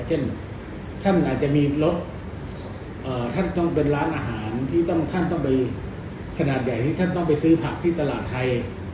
เช่นท่านอาจจะมีรถท่านต้องเป็นร้านอาหารที่ท่านต้องไปขนาดใหญ่ที่ท่านต้องไปซื้อผักที่ตลาดไทย